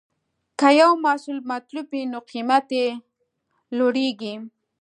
که یو محصول مطلوب وي، نو قیمت یې لوړېږي.